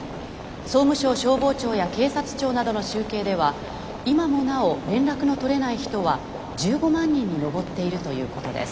総務省消防庁や警察庁などの集計では今もなお連絡の取れない人は１５万人に上っているということです。